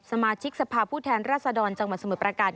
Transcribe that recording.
สมาชิกสภาพผู้แทนรัศดรจังหวัดสมุทรประการ